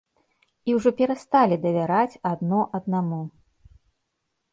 І ўжо перасталі давяраць адно аднаму.